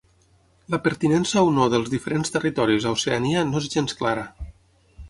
La pertinença o no dels diferents territoris a Oceania no és gens clara.